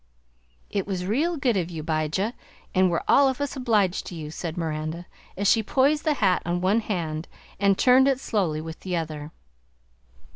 "It was real good of you, 'Bijah, an' we're all of us obliged to you," said Miranda, as she poised the hat on one hand and turned it slowly with the other.